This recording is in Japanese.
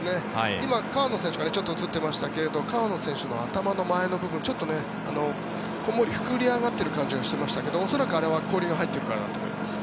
今、川野選手がちょっと映っていましたけど川野選手の頭の前の部分ちょっとこんもり膨れ上がっている感じがしますけど恐らくあれは氷が入っているかなと思います。